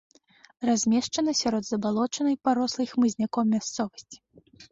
Размешчана сярод забалочанай, парослай хмызняком мясцовасці.